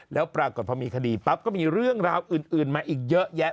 แล้วปรากฏพอมีคดีปั๊บก็มีเรื่องราวอื่นมาอีกเยอะแยะ